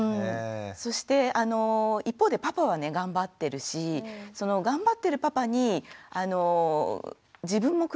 そして一方でパパはね頑張ってるしその頑張ってるパパに自分も苦しいって言えない。